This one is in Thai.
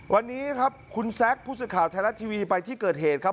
วันนี้ครับคุณแซคผู้สื่อข่าวไทยรัฐทีวีไปที่เกิดเหตุครับ